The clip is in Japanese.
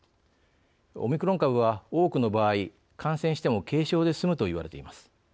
オミクロン株は多くの場合、感染しても軽症で済むといわれています。